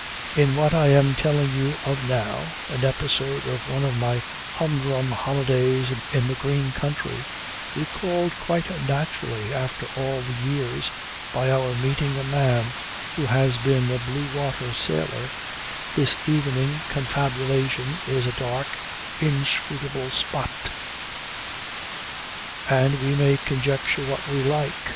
In what I am telling you of now an episode of one of my humdrum holidays in the green country, recalled quite naturally after all the years by our meeting a man who has been a blue water sailor this evening confabulation is a dark, inscrutable spot. And we may conjecture what we like.